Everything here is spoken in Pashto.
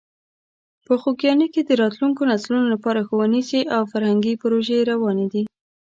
په خوږیاڼي کې د راتلونکو نسلونو لپاره ښوونیزې او فرهنګي پروژې روانې دي.